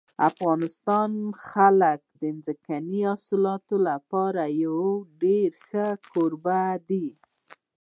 افغانستان د خپلو ځنګلي حاصلاتو لپاره یو ډېر ښه کوربه دی.